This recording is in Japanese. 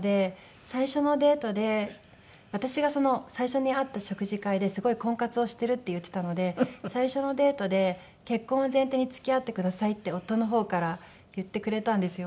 最初のデートで私がその最初に会った食事会ですごい婚活をしてるって言ってたので最初のデートで結婚を前提に付き合ってくださいって夫の方から言ってくれたんですよ。